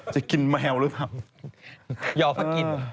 จะกินแมวหรือเปล่า